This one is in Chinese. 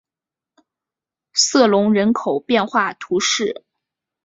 瑟隆人口变化图示